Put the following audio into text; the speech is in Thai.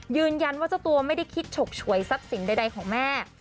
ยืนยันว่าเจ้าตัวไม่ได้คิดฉกฉวยซักสินใดของแม่